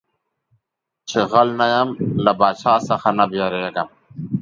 چي غل نه يم د باچا څه نه بيرېږم.